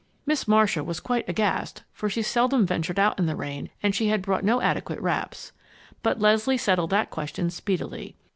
Miss Marcia was quite aghast, for she seldom ventured out in the rain and she had brought no adequate wraps. But Leslie settled that question speedily.